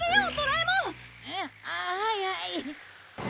えっああはいはい。